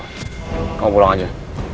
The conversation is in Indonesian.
kamu pulang aja